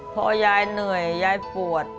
พอยายเหนื่อยยายปวด